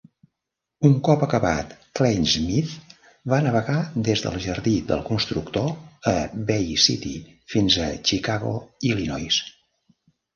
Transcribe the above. Un cop acabat, "Kleinsmith" va navegar des del jardí del constructor a Bay City fins a Chicago, Illinois.